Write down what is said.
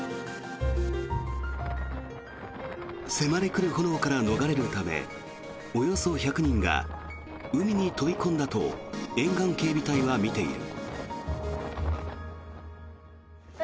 迫り来る炎から逃れるためおよそ１００人が海に飛び込んだと沿岸警備隊は見ている。